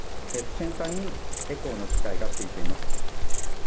先端にエコーの機械が付いています。